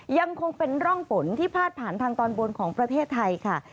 ยังคงเป็นร่องฝนที่พาดผ่านทางตอนบนของประเทศไทยค่ะ